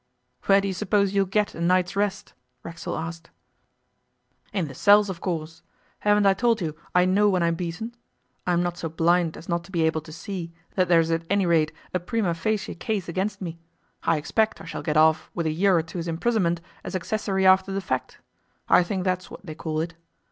'Where do you suppose you'll get a night's rest?' Racksole asked. 'In the cells, of course. Haven't I told you I know when I'm beaten. I'm not so blind as not to be able to see that there's at any rate a prima facie case against me. I expect I shall get off with a year or two's imprisonment as accessory after the fact I think that's what they call it.